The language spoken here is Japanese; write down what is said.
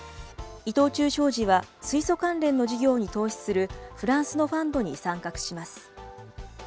伊藤忠商事は、水素関連の事業に投資するフランスのファンドに参画します。